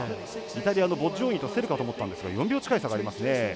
イタリアのボッジョーニと競るかと思ったんですが４秒近い差がありますね。